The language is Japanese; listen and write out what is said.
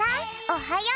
おはよう！